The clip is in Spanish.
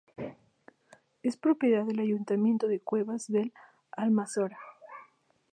Es propiedad del Ayuntamiento de Cuevas del Almanzora.